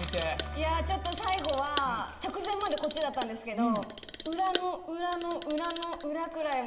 いやちょっと最後は直前までこっちだったんですけど。